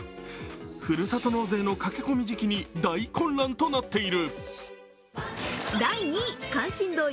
ふるさと納税の駆け込み時期に大混乱となっている。